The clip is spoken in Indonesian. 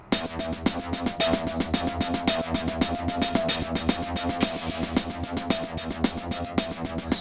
atau kalian mencari saya